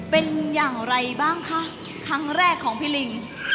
เป็นอย่างไรบ้างคะครั้งแรกของพี่ลิง